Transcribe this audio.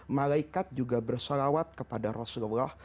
malaikat juga bersalawat kepada rasulullah